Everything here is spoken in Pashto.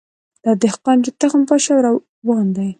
دا دهقان چي تخم پاشي او روان دی